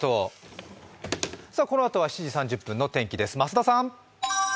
このあとは７時３０分の天気です、増田さん。